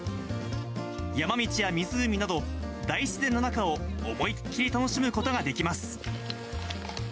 山道や湖など、大自然の中を思いっ切り楽しむことができます。